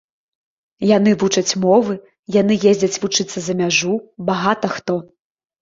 Яны вучаць мовы, яны ездзяць вучыцца за мяжу, багата хто.